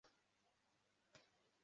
Imbwa eshatu zikina mu rubura